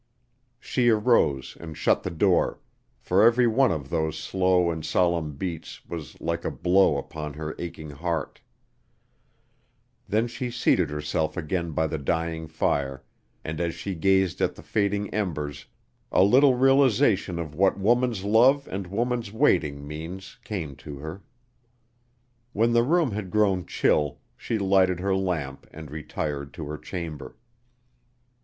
She arose and shut the door, for every one of those slow and solemn beats was like a blow upon her aching heart. Then she seated herself again by the dying fire, and as she gazed at the fading embers a little realization of what woman's love and woman's waiting means came to her. When the room had grown chill, she lighted her lamp and retired to her chamber.